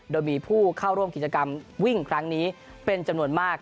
โดยมีผู้เข้าร่วมกิจกรรมวิ่งครั้งนี้เป็นจำนวนมาก